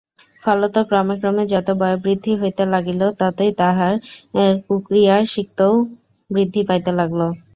ফলত ক্রমে ক্রমে যত বয়োবৃদ্ধি হইতে লাগিল ততই তাহার কুক্রিয়াসক্তিও বৃদ্ধি পাইতে লাগিল।